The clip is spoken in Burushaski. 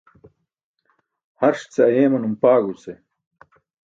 Harṣ ce ayeemanum, paaẏo ce.